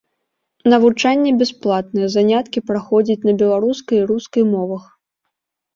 Навучанне бясплатнае, заняткі праходзяць на беларускай і рускай мовах.